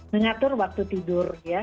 mengatur waktu tidur ya